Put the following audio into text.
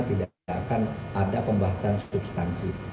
tidak akan ada pembahasan substansi